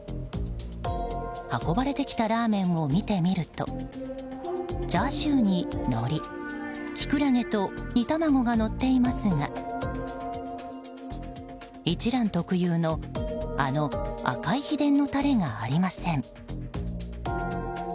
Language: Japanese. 運ばれてきたラーメンを見てみるとチャーシューに、のりキクラゲと煮卵がのっていますが一蘭特有のあの赤い秘伝のタレがありません。